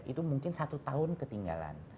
itu mungkin satu tahun ketinggalan